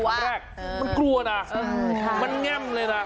วันแรกมันกลัวนะมันแง่มเลยนะ